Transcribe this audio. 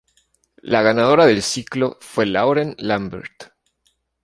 La ganadora del ciclo fue Lauren Lambert.